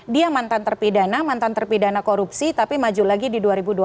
dia mantan terpidana mantan terpidana korupsi tapi maju lagi di dua ribu dua puluh